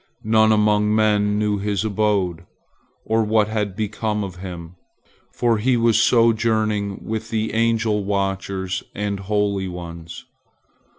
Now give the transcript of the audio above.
None among men knew his abode, or what had become of him, for he was sojourning with the angel watchers and holy ones.